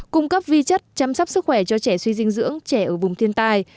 cung cấp vi chất chăm sóc sức khỏe cho trẻ suy dinh dưỡng trẻ ở vùng thiên tai